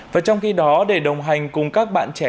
và trong khi đó để đồng hành cùng các bạn trẻ